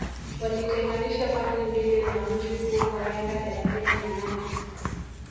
Walitenganisha pande mbili za mji huu kwa miaka thelathini na nane